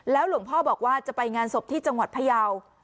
หลวงพ่อบอกว่าจะไปงานศพที่จังหวัดพยาว